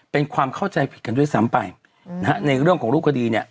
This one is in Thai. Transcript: เป็นความเข้าใจผิดกันด้วยซ้ำไปนะฮะในเรื่องของรูปคดีเนี่ย